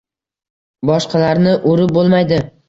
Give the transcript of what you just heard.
Boshqalarni urib bo‘lmaydi